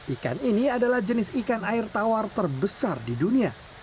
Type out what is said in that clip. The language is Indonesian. ikan ini adalah jenis ikan air tawar terbesar di dunia